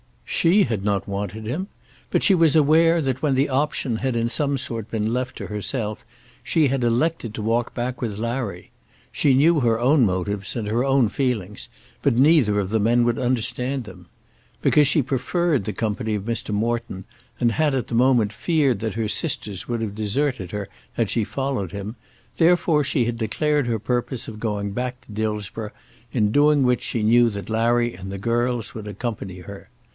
She had not wanted him. But she was aware that when the option had in some sort been left to herself, she had elected to walk back with Larry. She knew her own motives and her own feelings, but neither of the men would understand them. Because she preferred the company of Mr. Morton, and had at the moment feared that her sisters would have deserted her had she followed him, therefore she had declared her purpose of going back to Dillsborough, in doing which she knew that Larry and the girls would accompany her.